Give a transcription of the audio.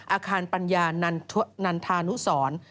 อาคารปัญญานันทานุสร